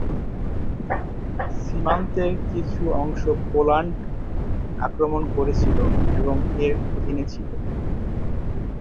সীমান্তের কিছু অংশ পোল্যান্ড আক্রমণ করেছিল এবং এর অধীনে ছিল।